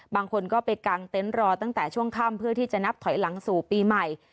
บางคนก็ไปกางเต็นต์รอตั้งแต่ช่วงค่ำเพื่อที่จะนับถอยหลังสู่ปีใหม่